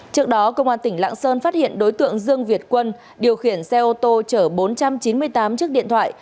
trước đó công an tỉnh lạng sơn phát hiện đối tượng dương việt quân điều khiển xe ô tô chở bốn trăm chín mươi tám chiếc điện thoại